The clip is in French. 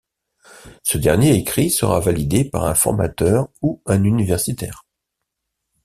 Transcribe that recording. Ce dernier écrit sera validé par un formateur ou un universitaire.